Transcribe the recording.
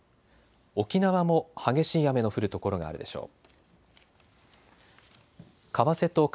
沖縄も激しい雨の降る所があるでしょう。